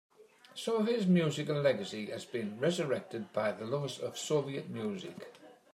Some of his musical legacy has been resurrected by the lovers of Soviet music.